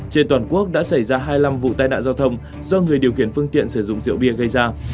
trên toàn quốc đã xảy ra hai mươi năm vụ tai nạn giao thông do người điều khiển phương tiện sử dụng rượu bia gây ra